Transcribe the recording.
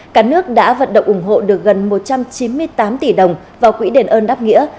cả nước đã vận động ủng hộ được gần một trăm chín mươi tám tỷ đồng vào quỹ đền ơn đáp nghĩa